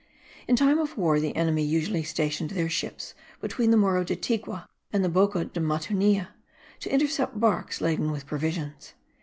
In time of war the enemy usually stationed their ships between the Morro de Tigua and the Boca de Matunilla, to intercept barques laden with provisions.